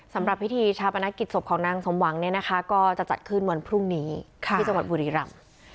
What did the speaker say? สำหรับพิธีชาปนกิจศพของนางสมหวังเนี่ยนะคะก็จะจัดขึ้นวันพรุ่งนี้ที่จังหวัดบุรีรำ